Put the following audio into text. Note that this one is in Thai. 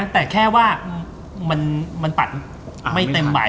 แต่แค่ว่ามันปัดไม่เต็มใบ